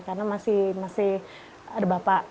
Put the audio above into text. karena masih ada bapak